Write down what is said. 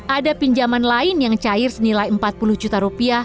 ada pinjaman lain yang cair senilai rp empat puluh